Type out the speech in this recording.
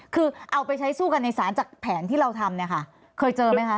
คือเอาไปใช้สู้กันในศาลจากแผนที่เราทำเนี่ยค่ะเคยเจอไหมคะ